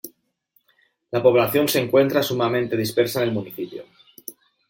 La población se encuentra sumamente dispersa en el municipio.